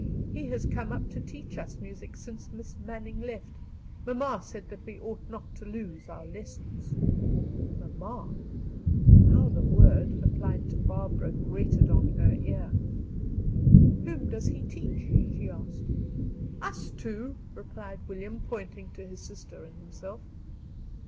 He has come up to teach us music since Miss Manning left; mamma said that we ought not to lose our lessons." Mamma! How the word, applied to Barbara, grated on her ear. "Whom does he teach?" she asked. "Us two," replied William, pointing to his sister and himself.